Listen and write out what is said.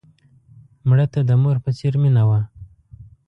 مړه ته د مور په څېر مینه وه